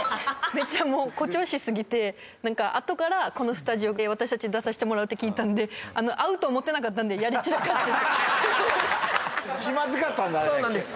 めっちゃもう誇張しすぎてあとからこのスタジオで私達出させてもらうって聞いたんで会うと思ってなかったんでそうなんです